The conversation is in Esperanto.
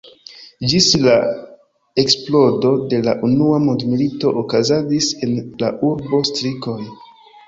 Ĝis la eksplodo de la Unua Mondmilito okazadis en la urbo strikoj.